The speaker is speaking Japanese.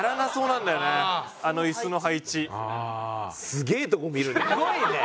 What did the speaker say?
すげえとこ見るね。